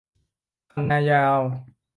คันนายาว